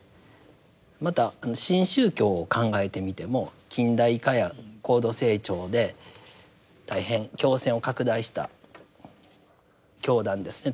また新宗教を考えてみても近代化や高度成長で大変教勢を拡大した教団ですね。